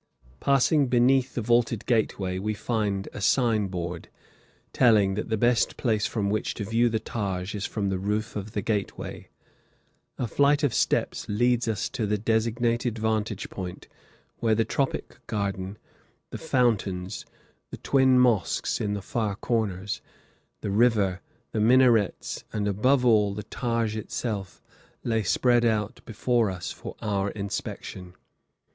Passing beneath the vaulted gateway, we find a sign board, telling that the best place from which to view the Taj is from the roof of the gateway. A flight of steps leads us to the designated vantage point, when the tropic garden, the fountains, the twin mosques in the far corners, the river, the minarets, and, above all, the Taj itself lay spread out before us for our inspection.